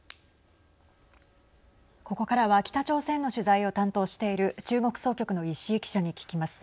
ここからは北朝鮮の取材を担当している中国総局の石井記者に聞きます。